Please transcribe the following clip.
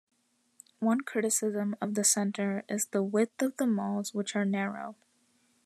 One criticism of the centre is the width of the malls which are narrow.